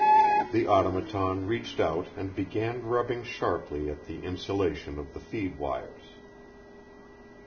The Automaton reached out and began rubbing sharply at the insulation of the feed wires.